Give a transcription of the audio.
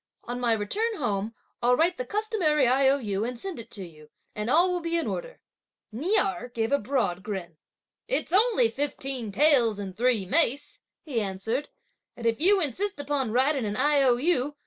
On my return home, I'll write the customary I.O.U., and send it to you, and all will be in order." Ni Erh gave a broad grin. "It's only fifteen taels and three mace," he answered, "and if you insist upon writing an I.O.U.